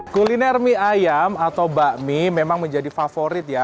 kuliner mie ayam atau bakmi memang menjadi favorit ya